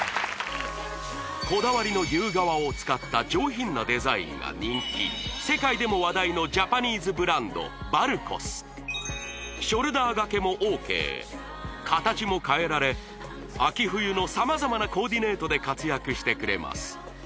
こだわりの牛革を使った上品なデザインが人気世界でも話題のジャパニーズブランドバルコスショルダーがけもＯＫ形も変えられ秋冬の様々なコーディネートで活躍してくれます